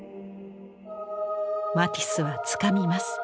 マティスはつかみます。